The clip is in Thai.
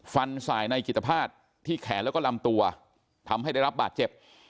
ฟันสายในจิตภาษณที่แขนแล้วก็ลำตัวทำให้ได้รับบาดเจ็บ